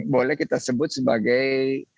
boleh kita sebut sebagai